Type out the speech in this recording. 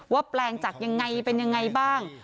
แปลงจากยังไงเป็นยังไงบ้าง